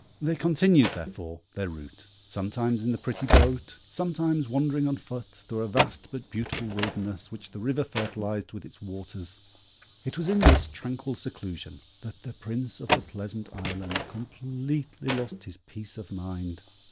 They continued, therefore, their route, sometimes in the pretty boat, sometimes wandering on foot through a vast, but beautiful wilderness, which the river fertilized with its waters. It was in this tranquil seclusion that the Prince of the Pleasant Island completely lost his peace of mind.